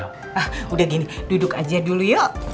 ah udah gini duduk aja dulu yuk